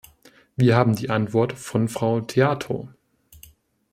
Wir haben die Antwort von Frau Theato.